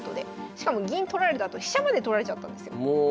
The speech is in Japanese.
しかも銀取られたあと飛車まで取られちゃったんですよ。